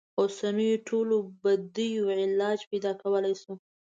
اوسنیو ټولو بدیو علاج پیدا کولای شو.